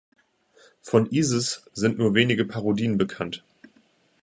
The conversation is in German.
Von "Isis" sind nur wenige Parodien bekannt.